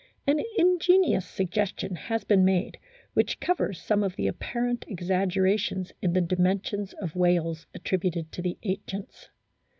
An ingenious suggestion has been made, which covers some of the apparent exaggerations in the dimensions of whales attributed to the ancients.